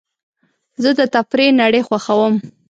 زه د تفریح نړۍ خوښوم.